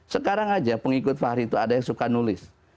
sekarang aja pengikut fahri itu ada yang suka nulis